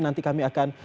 nanti kami akan